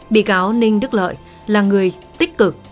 bị cáo ninh đức lợi là người tích cực